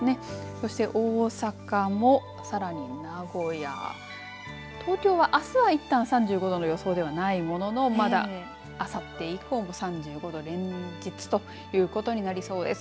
そして大阪も、さらに名古屋東京はあすはいったん３５度の予想ではないもののまだあさって以降も３５度、連日ということになりそうです。